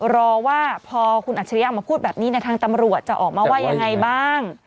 รอว่าพอคุณอัจฉริยะมาพูดแบบนี้ในทางตำรวจจะออกมาว่ายังไงบ้าง